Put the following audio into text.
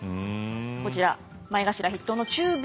こちら前頭筆頭の中風。